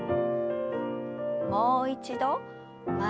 もう一度前へ。